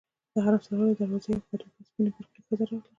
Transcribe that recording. د حرم سرا له دروازې یوه قد اوږده سپینې برقعې ښځه راغله.